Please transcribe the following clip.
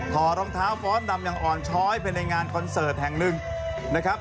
รองเท้าฟ้อนดำอย่างอ่อนช้อยไปในงานคอนเสิร์ตแห่งหนึ่งนะครับ